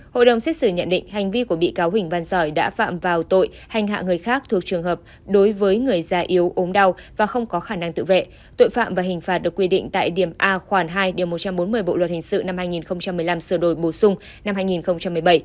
hội đồng xét xử nhận định hành vi của bị cáo huỳnh văn giỏi đã phạm vào tội hành hạ người khác thuộc trường hợp đối với người già yếu ốm đau và không có khả năng tự vệ tội phạm và hình phạt được quy định tại điểm a khoản hai điều một trăm bốn mươi bộ luật hình sự năm hai nghìn một mươi năm sửa đổi bổ sung năm hai nghìn một mươi bảy